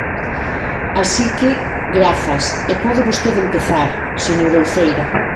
Así que, grazas, e pode vostede empezar, señora Uceira.